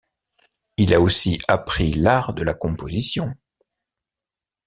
Il a aussi appris l'art de la composition.